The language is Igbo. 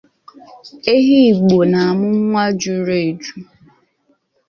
Ehi Igbo na-amụ nwa juru eju